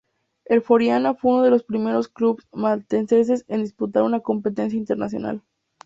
El Floriana fue uno de los primeros clubes malteses en disputar una competición internacional.